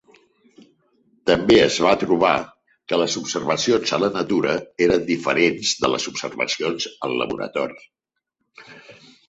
També es va trobar que les observacions a la natura eren diferents de les observacions al laboratori.